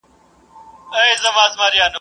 موږ ترې ګټه نشو اخيستلی.